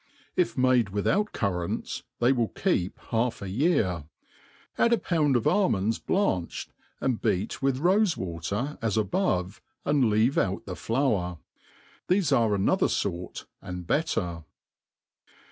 if made without currants they will keep half a year ; add a pound of almonds blanched, and beat with rofe water^ as above, and Je^ve out the flour, Thefe are an« other fort, and better.